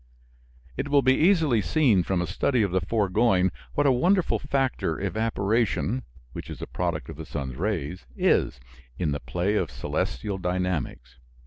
It will be easily seen from a study of the foregoing what a wonderful factor evaporation (which is a product of the sun's rays) is, in the play of celestial dynamics.